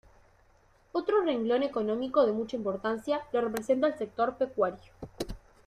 Otro renglón económico de mucha importancia, lo representa el sector pecuario.